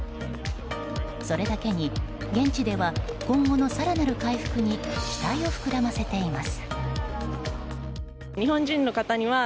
それだけに、現地では今後の更なる回復に期待をふくらませています。